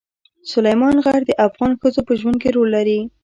سلیمان غر د افغان ښځو په ژوند کې رول لري.